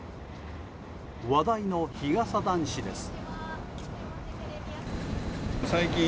話題の日傘男子です。